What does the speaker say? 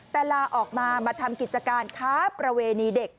แต่ลาออกมามาทำกิจการค้าประเวณีเด็ก